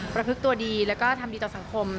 ประพึกตัวดีแล้วก็ทำดีต่อสังคม